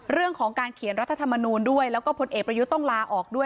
เรื่องของการเขียนรัฐธรรมนูลด้วยแล้วก็พลเอกประยุทธ์ต้องลาออกด้วย